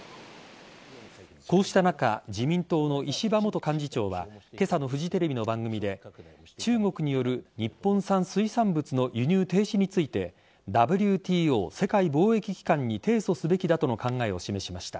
こうした中自民党の石破元幹事長は今朝のフジテレビの番組で中国による日本産水産物の輸入停止についてＷＴＯ＝世界貿易機関に提訴すべきだとの考えを示しました。